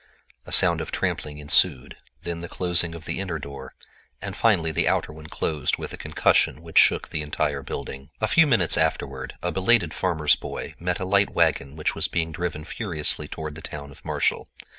A sound of trampling ensued, then the closing of the inner door; and finally the outer one closed with a concussion which shook the entire building. A few minutes afterward a belated farmer's boy met a light wagon which was being driven furiously toward the town of Marshall.